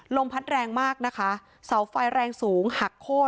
ลมพัดแรงมากนะคะเสาไฟแรงสูงหักโค้น